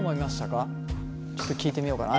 ちょっと聞いてみようかな。